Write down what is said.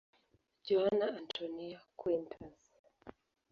Joana Antónia Quintas.